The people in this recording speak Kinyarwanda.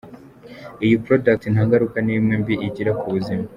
Iyi product nta ngaruka n’imwe mbi igira Ku buzima.